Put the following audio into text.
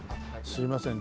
すいません